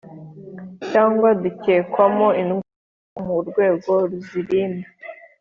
Cyangwa dukekwamo indwara mu rwego kuzirinda